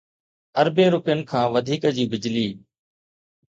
اربين رپين کان وڌيڪ جي بجلي